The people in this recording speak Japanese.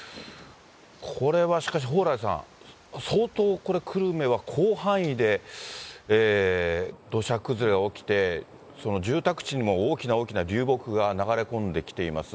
これはしかし、蓬莱さん、相当これ、久留米は広範囲で土砂崩れが起きて、住宅地にも大きな大きな流木が流れ込んできています。